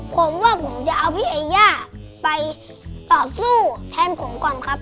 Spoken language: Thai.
ผมว่าผมจะเอาพี่เอย่าไปต่อสู้แทนผมก่อนครับ